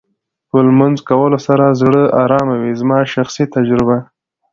په لمونځ کولو سره زړه ارامه وې زما شخصي تجربه.